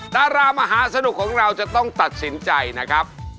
ดารามหาสนุกของเราจะต้องตัดสินใจนะครับ